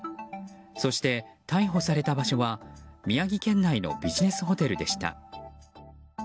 そして、逮捕された場所は宮城県内のビジネスホテルでした。